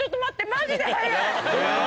マジで早い！